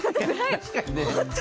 確かにね。